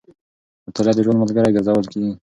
مطالعه د ژوند ملګری ګرځول کېږي.